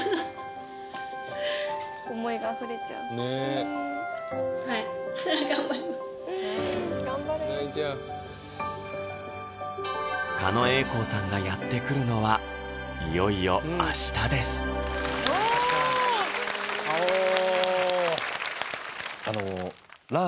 思いがあふれちゃうねぇはい頑張れ泣いちゃう狩野英孝さんがやって来るのはいよいよ明日ですおぉおぉ